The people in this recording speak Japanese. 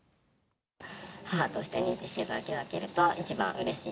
母として認知していただけると、一番うれしい。